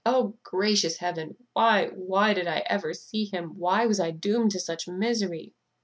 O, gracious Heaven! why, why did I ever see him? why was I doomed to such misery?"